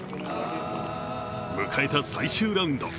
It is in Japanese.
迎えた最終ラウンド。